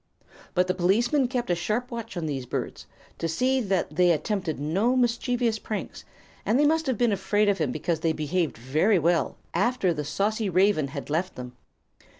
But the policeman kept a sharp watch upon these birds, to see that they attempted no mischievous pranks, and they must have been afraid of him because they behaved very well after the saucy raven had left them.